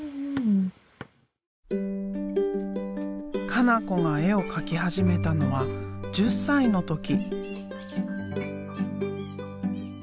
加那子が絵を描き始めたのは１０歳の時。